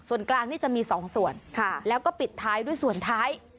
ส่วนกลางนี่จะมี๒ส่วนแล้วก็ปิดท้ายด้วยส่วนท้าย